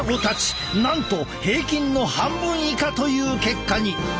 なんと平均の半分以下という結果に！